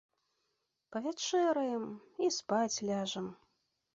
Павячэраем і спаць ляжам.